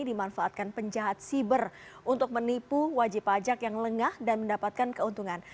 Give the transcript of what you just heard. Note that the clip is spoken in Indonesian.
dimanfaatkan penjahat siber untuk menipu wajib pajak yang lengah dan mendapatkan keuntungan